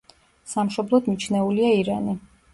სამშობლოდ მიჩნეულია ირანი.